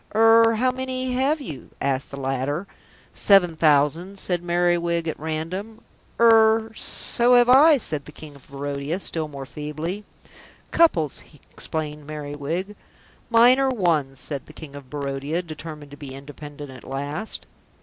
"Er how many have you?" asked the latter. "Seven thousand," said Merriwig at random. "Er so have I," said the King of Barodia, still more feebly. "Couples," explained Merriwig. "Mine are ones," said the King of Barodia, determined to be independent at last.